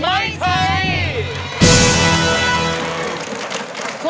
ไม่ใช้ครับ